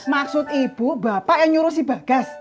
maksud ibu bapak yang nyuruh si bagas